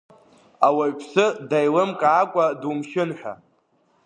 Ауаҩԥсы даилымкаакәа, думшьын, ҳәа.